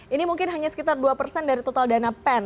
ini mungkin hanya sekitar dua persen dari total dana pen